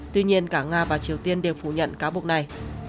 tuy nhiên cả nga và triều tiên đều phủ nhận cáo buộc này